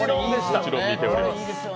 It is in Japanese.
もちろん見ております。